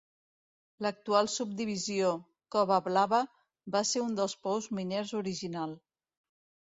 L'actual subdivisió "Cova blava" va ser un dels pous miners original.